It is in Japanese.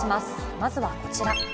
まずはこちら。